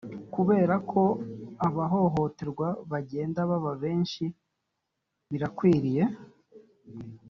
kubera ko abahohoterwa bagenda baba benshi birakwiriye